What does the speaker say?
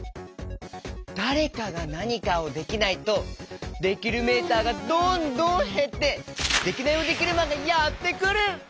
だれかがなにかをできないとできるメーターがどんどんへってデキナイヲデキルマンがやってくる！